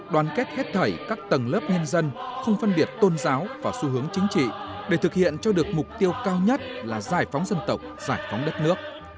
đoàn kết hết thầy các tầng lớp nhân dân không phân biệt tôn giáo và xu hướng chính trị để thực hiện cho được mục tiêu cao nhất là giải phóng dân tộc giải phóng đất nước